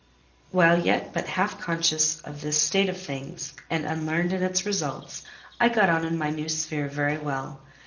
While yet but half conscious of this state of things, and unlearned in its results, I got on in my new sphere very well.